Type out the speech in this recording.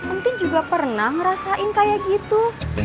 mungkin juga pernah ngerasain kayak gitu